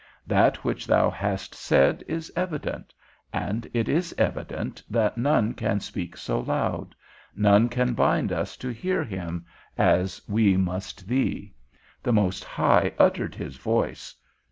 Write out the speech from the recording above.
That which thou hast said is evident, and it is evident that none can speak so loud; none can bind us to hear him, as we must thee. _The Most High uttered his voice.